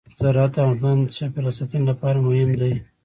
زراعت د افغانستان د چاپیریال ساتنې لپاره مهم دي.